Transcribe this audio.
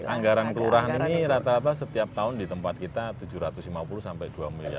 anggaran kelurahan ini rata rata setiap tahun di tempat kita tujuh ratus lima puluh sampai dua miliar